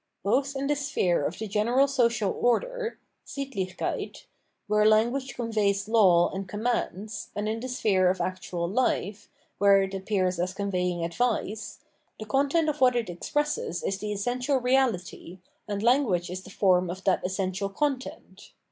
Both in the sphere of the general social order (SittlichJceit), where language conveys laws and com mands, and in the sphere of actual life, where it ap pears as conveying advice, the content of what it expresses is the essential reality, and language is the form of that essential content.